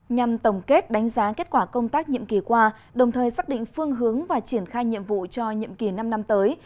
nhằm tổng kết đánh giá kết quả công tác nhiệm kỳ qua đồng thời xác định phương hướng và triển khai nhiệm vụ cho nhiệm kỳ năm năm tới